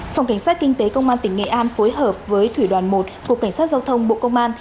phòng cảnh sát kinh tế công an tỉnh nghệ an phối hợp với thủy đoàn một cục cảnh sát giao thông bộ công an